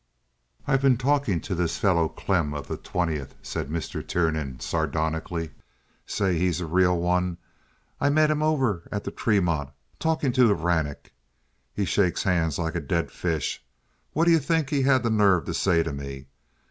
"I've been talking to this fellow Klemm of the twentieth," said Mr. Tiernan, sardonically. "Say, he's a real one! I met him over at the Tremont talkin' to Hvranek. He shakes hands like a dead fish. Whaddye think he had the nerve to say to me.